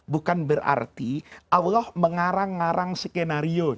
bukan berarti allah mengarang arang skenario